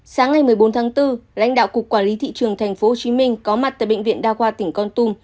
sáng ngày một mươi bốn tháng bốn lãnh đạo cục quản lý thị trường tp hcm có mặt tại bệnh viện đa khoa tỉnh con tum